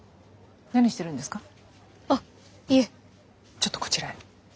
ちょっとこちらへ。